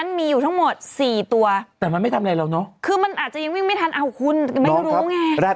ในเวลานั้นเขาอาจจะคิด